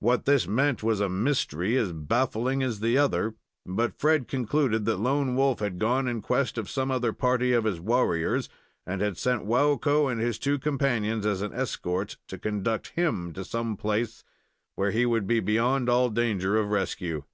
What this meant was a mystery as baffling as the other, but Fred concluded that Lone Wolf had gone in quest of some other party of his warriors, and had sent Waukko and his two companions as an escort to conduct him to some place where he would be beyond all danger of rescue.